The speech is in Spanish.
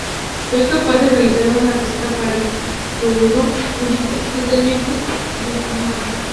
Fue capaz de realizar una receta para el cloruro sódico altamente refinado.